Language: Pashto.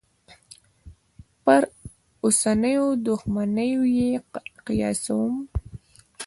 پر اوسنیو دوښمنیو یې قیاسوم.